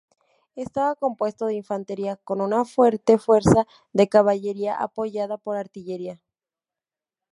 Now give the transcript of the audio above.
Estaba compuesto de infantería, con una fuerte fuerza de caballería apoyada por artillería.